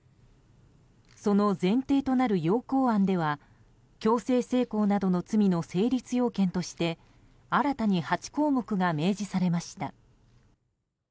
その前提となる要綱案では強制性交などの罪の成立要件として新たに８項目が明示されました。